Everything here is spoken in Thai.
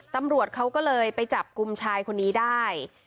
ตำรวจเขาก็เลยไปจับกลุ่มชายคนนี้ได้